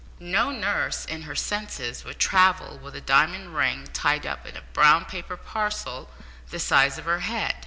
No nurse, in her senses, would travel with a diamond ring tied up in a brown paper parcel the size of her head."